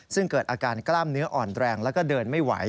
ซึ่งเกิดอาการกล้ามเนื้ออ่อนแรงแล้วก็เดินไม่ไหว